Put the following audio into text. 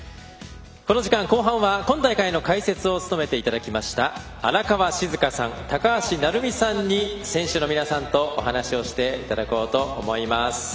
この時間、後半は今大会の解説を務めていただきました荒川静香さん、高橋成美さんに選手の皆さんとお話をしていただこうと思います。